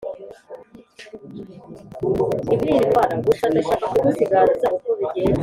ibirinda indwara. gusa ndashaka gusiganuza uko bigenda.